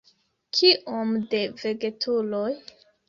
Kiom de vegetuloj?